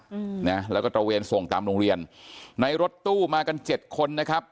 อืมนะแล้วก็ตระเวนส่งตามโรงเรียนในรถตู้มากันเจ็ดคนนะครับ